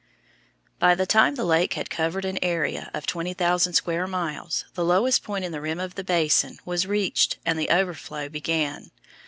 By the time the lake had covered an area of twenty thousand square miles the lowest point in the rim of the basin was reached and the overflow began.